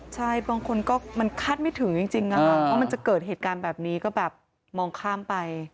ใช่บางคนก็มันคาดไม่ถึงจริงว่ามันจะเกิดเหตุการณ์แบบนี้ก็แบบมองข้ามไป